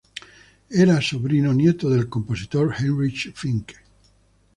Era sobrino nieto del compositor Heinrich Finck.